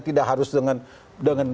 tidak harus dengan